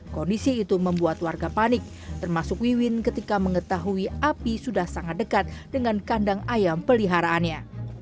kondisi itu membuat warga panik termasuk wiwin ketika mengetahui api sudah sangat dekat dengan kandang ayam peliharaannya